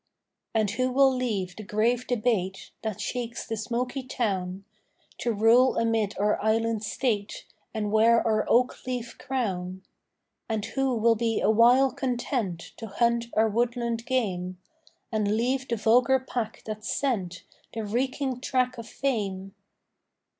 And who will leave the grave debate That shakes the smoky town, To rule amid our island state, And wear our oak leaf crown? And who will be awhile content To hunt our woodland game, And leave the vulgar pack that scent The reeking track of fame?